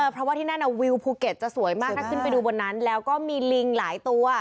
เพราะว่าที่นั่นวิวภูเก็ตจะสวยมากถ้าขึ้นไปดูบนนั้นแล้วก็มีลิงหลายตัว